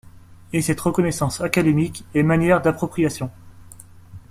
Et cette reconnaissance académique est manière d'appropriation.